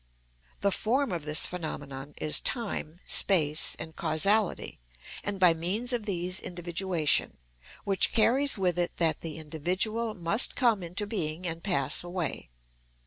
The form of this phenomenon is time, space, and causality, and by means of these individuation, which carries with it that the individual must come into being and pass away.